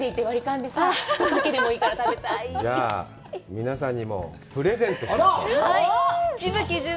じゃあ、皆さんにもプレゼントしましょう。